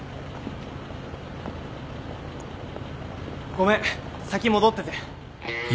ごめん先戻ってて。